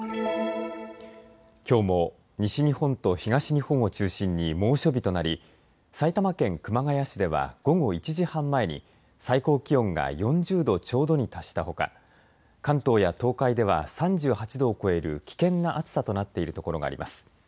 きょうも西日本と東日本を中心に猛暑日となり埼玉県熊谷市では午後１時半前に最高気温が４０度ちょうどに達したほか関東や東海では３８度を超える危険な暑さとなっているところがあります。